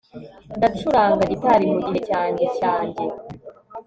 ndacuranga gitari mugihe cyanjye cyanjye